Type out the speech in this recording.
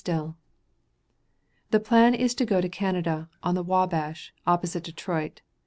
Still: The plan is to go to Canada, on the Wabash, opposite Detroit.